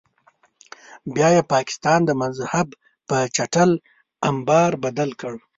بیا یې پاکستان د مذهب په چټل امبار بدل کړ.